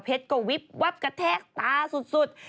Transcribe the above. ก็วิบวับกระแทกตาสุด